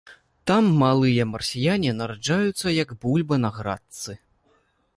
Там малыя марсіяне нараджаюцца як бульба на градцы.